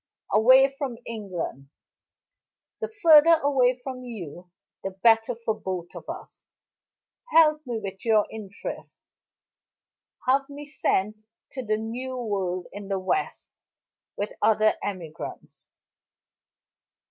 "Away from England! The further away from you the better for both of us. Help me with your interest; have me sent to the new world in the west, with other emigrants.